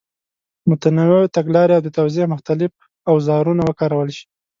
متنوع تګلارې او د توضیح مختلف اوزارونه وکارول شي.